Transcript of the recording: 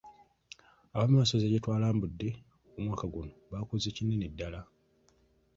Abaami b'amasaza gye tulambudde omwaka guno bakoze kinene ddala.